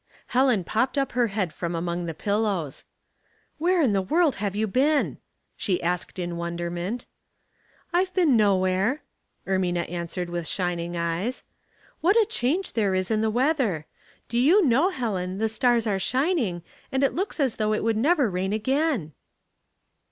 Helen popped up her head from among the pillows. " Where in the world have you been ?" she asked in wonderment. " Fve been nownere," Ermina answered with shining eyes. " What a change there is in the weather. Do you know, Helen, the stars are shining, and it looks as though it would never rain again."